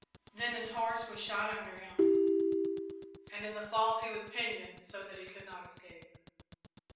Then his horse was shot under him, and in the fall he was pinioned so that he could not escape.